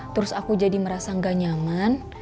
terus aku jadi merasa gak nyaman